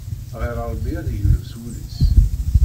Ɣer Ṛebbi ad yeglu s wul-is.